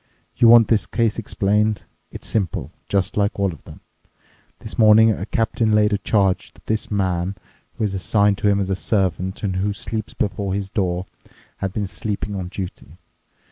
You want this case explained. It's simple—just like all of them. This morning a captain laid a charge that this man, who is assigned to him as a servant and who sleeps before his door, had been sleeping on duty.